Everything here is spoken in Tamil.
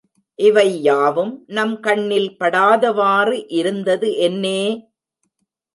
இவை யாவும் நம் கண்ணில் படாதவாறு இருந்தது என்னே!